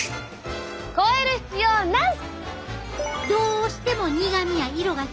越える必要なし！